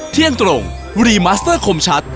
เที่ยงตรงรีมัสเตอร์คมชัด